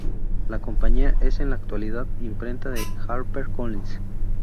La compañía es en la actualidad imprenta de HarperCollins.